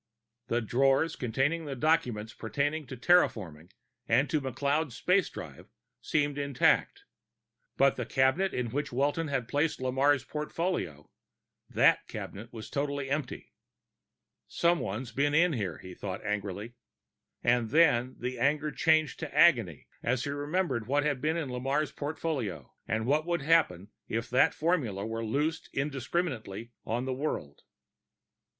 The drawers containing the documents pertaining to terraforming and to McLeod's space drive seemed intact. But the cabinet in which Walton had placed Lamarre's portfolio that cabinet was totally empty! Someone's been in here, he thought angrily. And then the anger changed to agony as he remembered what had been in Lamarre's portfolio, and what would happen if that formula were loosed indiscriminately in the world.